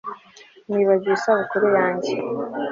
Nibagiwe isabukuru yanjye